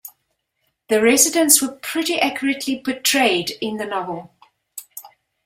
The residents were pretty accurately portrayed in the novel.